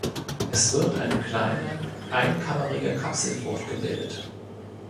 Es wird eine kleine, einkammerige Kapselfrucht gebildet.